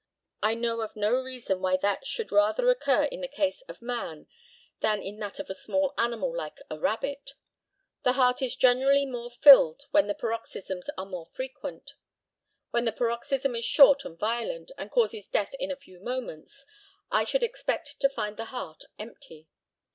I know of no reason why that should rather occur in the case of man than in that of a small animal like a rabbit. The heart is generally more filled when the paroxysms are more frequent. When the paroxysm is short and violent, and causes death in a few moments, I should expect to find the heart empty.